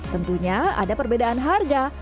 tentunya ada perbedaan harga